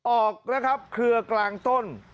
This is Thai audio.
ออกนะครับเครือกลางต้น